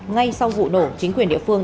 ngay sau vụ nổ chính quyền địa phương